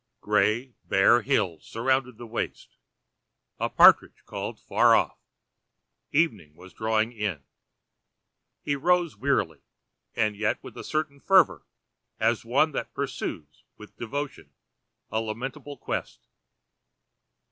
Grey bare hills surrounded the waste: a partridge called far off: evening was drawing in. He rose wearily, and yet with a certain fervour, as one that pursues With devotion a lamentable quest.